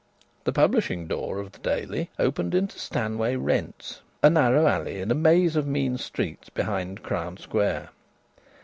The publishing door of the Daily opened into Stanway Rents, a narrow alley in a maze of mean streets behind Crown Square.